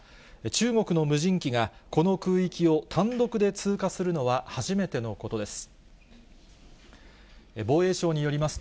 中国の無人機が、この空域を単独で通過するのは初めてのことです。